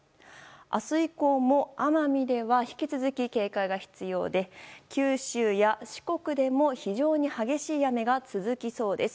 明日以降も奄美では引き続き警戒が必要で九州や四国でも非常に激しい雨が続きそうです。